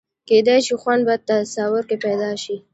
کېدای شي خوند په تصور کې پیدا شي.